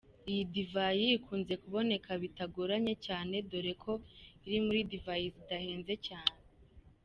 Iyi divayi, ikunze kuboneka bitagoranye cyane dore ko iri muri divayi zidahenze cyane.